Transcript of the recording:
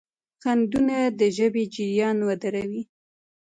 خنډونه د ژبې جریان ودروي.